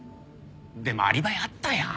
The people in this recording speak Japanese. でもアリバイあったやん。